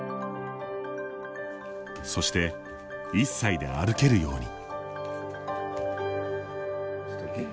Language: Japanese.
そして、１歳で歩けるように。